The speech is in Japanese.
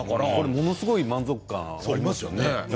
ものすごい満足感があるよね。